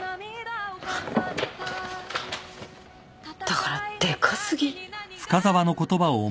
だからでか過ぎ。